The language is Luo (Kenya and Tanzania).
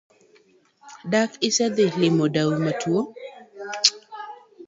Dak usedhi limo dau matwo?